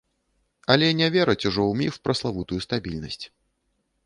Але не вераць ужо ў міф пра славутую стабільнасць.